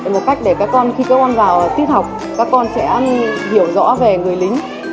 một cách để các con khi các con vào tiết học các con sẽ hiểu rõ về người lính